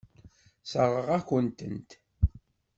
Sseṛɣeɣ-akent-tent.